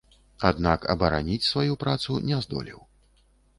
Аднак абараніць сваю працу не здолеў.